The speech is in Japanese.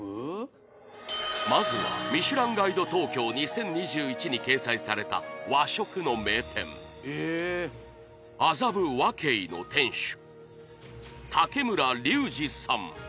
まずはミシュランガイド東京２０２１に掲載された和食の名店麻布和敬の店主竹村竜二さん